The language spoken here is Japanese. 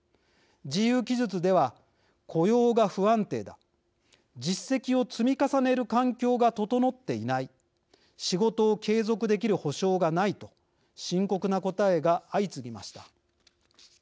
自由記述では「雇用が不安定だ」「実績を積み重ねる環境が整っていない」「仕事を継続できる保証がない」と、深刻な答えが相次ぎました。